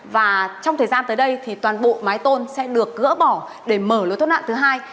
và trong thời gian tới đây thì toàn bộ mái tôn sẽ được gỡ bỏ để mở lối thoát nạn thứ hai